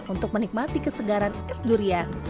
untuk menikmati kesegaran es durian